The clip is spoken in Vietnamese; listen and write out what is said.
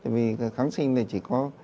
vì kháng sinh chỉ có